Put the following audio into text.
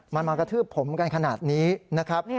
มันมากระทืบผมกันขนาดนี้นะครับ